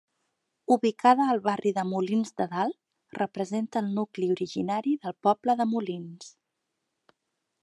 Ubicada al barri de Molins de Dalt, representa el nucli originari del poble de Molins.